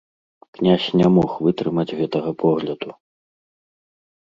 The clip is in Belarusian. Князь не мог вытрымаць гэтага погляду.